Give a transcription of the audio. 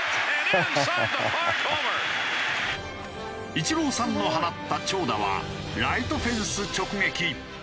イチローさんの放った長打はライトフェンス直撃。